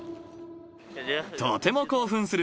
とても興奮する。